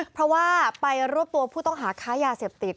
เพราะว่าไปรวบตัวผู้ต้องหาค้ายาเสพติด